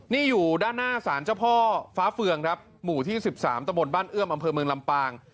นี่อยู่ด้านหน้าสารเจ้าพ่อฟ้าเฟืองครับหมู่ที่๑๓ตะบนบ้านเอื้อมอำเภอเมืองลำปาง